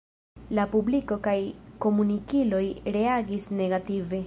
La publiko kaj komunikiloj reagis negative.